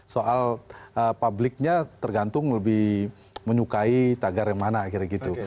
soal publiknya tergantung lebih menyukai tagar yang mana kira kira gitu